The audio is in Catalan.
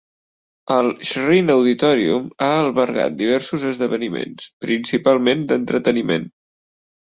El Shrine Auditorium ha albergat diversos esdeveniments, principalment d'entreteniment.